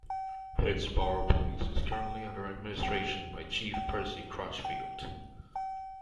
Pittsboro Police is currently under administration by Chief Percy Crutchfield.